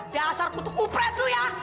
biasa aku tuh kupret lu ya